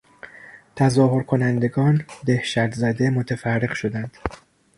تظاهر کنندگان دهشتزده متفرق شدند.